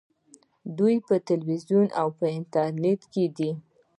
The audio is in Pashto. دوی په تلویزیون او انټرنیټ کې دي.